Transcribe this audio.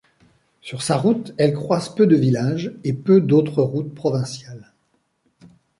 Sur sa route, elle croise peu de villages, et peu d'autres routes provinciales.